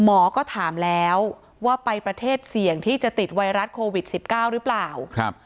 หมอก็ถามแล้วว่าไปประเทศเสี่ยงที่จะติดไวรัสโควิดสิบเก้าหรือเปล่าครับ